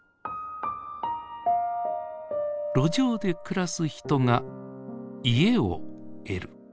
路上で暮らす人が家を得る。